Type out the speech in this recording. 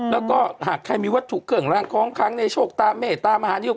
แล้วก็หากใครมีวัตถุเกิ่งร่างคล้องคั้งในโชคตาเมตตามหาติว